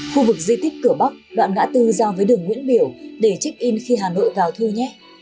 khu vực di tích cửa bắc đoạn ngã tư giao với đường nguyễn biểu để check in khi hà nội vào thu nhé